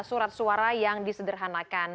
surat suara yang disederhanakan